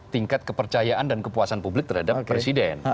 tingkat kepercayaan dan kepuasan publik terhadap presiden